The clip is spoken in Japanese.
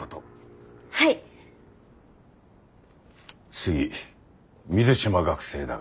次水島学生だが。